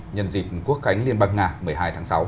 nhân dịp quốc khánh liên bang nga một mươi hai tháng sáu